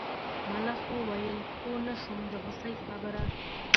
ملخ وویل پوه نه شوم د هوسۍ خبره.